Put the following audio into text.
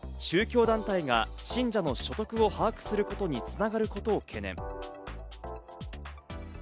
政府・与党は宗教団体が信者の所得を把握することに繋がることを懸念。